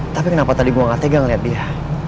tapi kenapa tadi gua gak tegang liat dia